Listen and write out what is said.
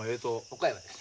岡山です。